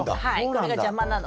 これが邪魔なので。